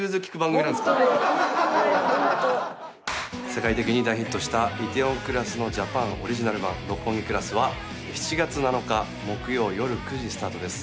世界的に大ヒットした『梨泰院クラス』のジャパン・オリジナル版『六本木クラス』は７月７日木曜よる９時スタートです。